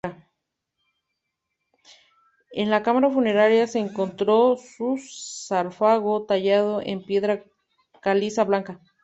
En la cámara funeraria se encontró su sarcófago tallado en piedra caliza blanca.